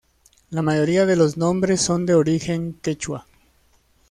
La mayoría de los nombres son de origen Quechua.